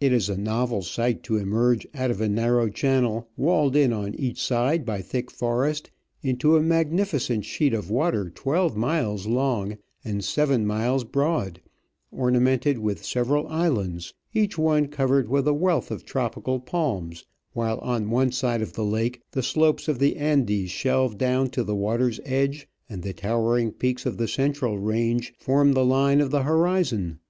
It is a novel sight to emerge out of a narrow channel walled in on each side by thick forest into a magnificent sheet of water twelve miles long and seven miles broad, ornamented with several islands, each one covered with a wealth of tropical palms, while on one side of the lake the slopes of Digitized by VjOOQIC OF AN Orchid Hunter, 173 the Andes shelve down to the water^s edge, and the towering peaks of the central range form the line of the horizon.